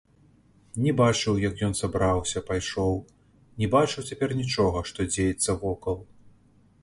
Не бачыў, як ён сабраўся, пайшоў, не бачыў цяпер нічога, што дзеецца вокал.